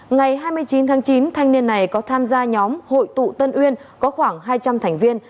ngày hai mươi chín tháng chín thanh niên này có tham gia nhóm hội tụ tân uyên có khoảng hai trăm linh thành viên